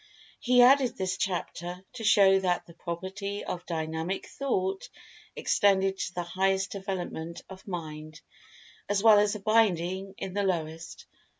He added this chapter, to show that the property of Dynamic Thought extended to the highest development of Mind, as well as abiding in the lowest.